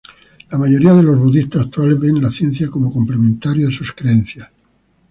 La mayoría de los budistas actuales ven la ciencia como complementario a sus creencias.